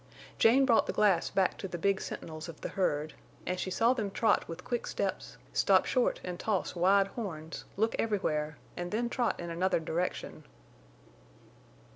Jane brought the glass back to the big sentinels of the herd, and she saw them trot with quick steps, stop short and toss wide horns, look everywhere, and then trot in another direction.